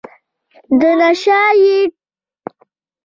د نشه یي توکو قاچاق ډېر دی.